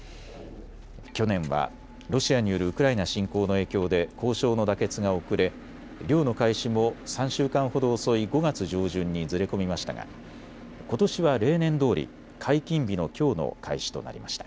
去年はロシアによるウクライナ侵攻の影響で交渉の妥結が遅れ漁の開始も３週間ほど遅い５月上旬にずれ込みましたがことしは例年どおり、解禁日のきょうの開始となりました。